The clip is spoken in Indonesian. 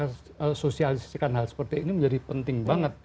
ya mensosialisikan hal seperti ini menjadi penting banget